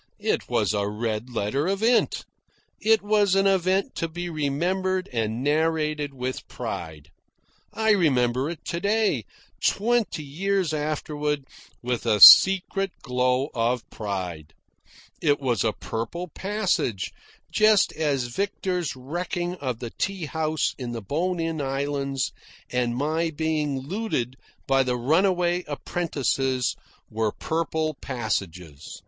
It was a red letter event. It was an event to be remembered and narrated with pride. I remember it to day, twenty years afterward, with a secret glow of pride. It was a purple passage, just as Victor's wrecking of the tea house in the Bonin Islands and my being looted by the runaway apprentices were purple passages.